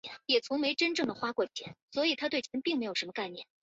陈伟明前香港职业桌球运动员。